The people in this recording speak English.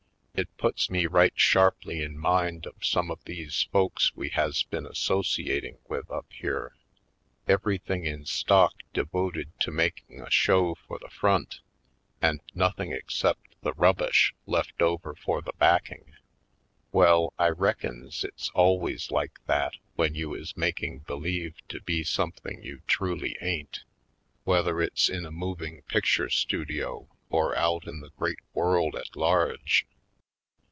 It puts me right sharply in mind of some of these folks we has been associating with up here — everything in stock devoted to making a show for the front and nothing except the rubbish left over for the backing. Well, I reckons it's al ways like that when you is making believe to be something you truly ain't, whether it's in a moving picture studio or out in the great world at large.